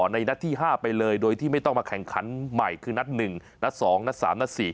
นัดที่๕ไปเลยโดยที่ไม่ต้องมาแข่งขันใหม่คือนัด๑นัด๒นัด๓นัด๔